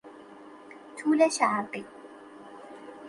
طول شرقی